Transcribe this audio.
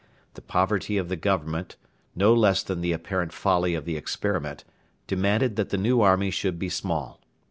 The poverty of the government, no less than the apparent folly of the experiment, demanded that the new army should be small.